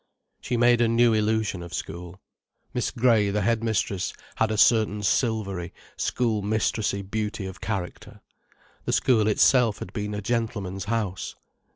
She made a new illusion of school. Miss Grey, the headmistress, had a certain silvery, school mistressy beauty of character. The school itself had been a gentleman's house.